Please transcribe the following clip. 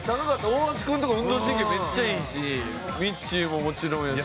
大橋くんとか運動神経めっちゃいいしみっちーももちろんやし。